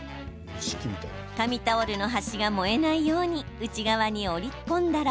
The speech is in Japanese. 紙タオルの端が燃えないように内側に折り込んだら